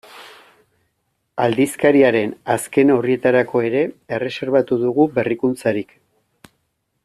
Aldizkariaren azken orrietarako ere erreserbatu dugu berrikuntzarik.